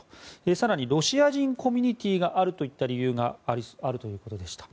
更に、ロシア人コミュニティーがあるという理由があるということでした。